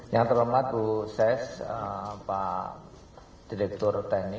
yang terlalu laku saya pak direktur teknik